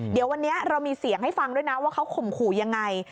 เดี๋ยววันนี้เรามีเสียงให้ฟังด้วยนะว่าเขาข่มขู่ยังไง